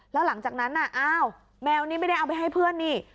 แล้วหลังจากนั้นน่ะอ้าวแมวนี่ไม่ได้เอาไปให้เพื่อนนี่